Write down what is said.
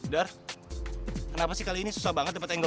dar kenapa sih kali ini susah banget tempat angle